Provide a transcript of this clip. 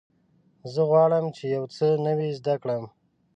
زه غواړم چې یو څه نوی زده کړم.